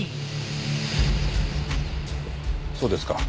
そうですか。